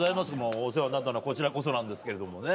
お世話になったのはこちらこそなんですけれどもね。